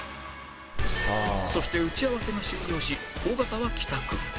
そして打ち合わせが終了し尾形は帰宅